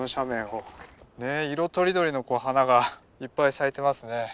ねえ色とりどりの花がいっぱい咲いてますね。